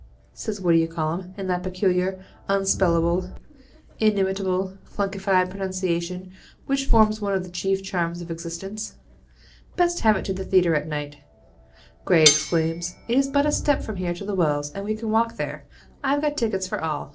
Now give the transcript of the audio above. says What d'ye call'um, in that peculiar, unspellable, inimitable, flunkefied pronunciation which forms one of the chief charms of existence. Best have it to the theatre at night,' Gray exclaims; 'it is but a step from here to the Wells, and we can walk there. I've got tickets for all.